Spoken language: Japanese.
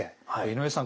井上さん